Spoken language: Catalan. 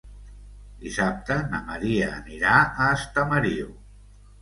Dissabte na Maria anirà a Estamariu.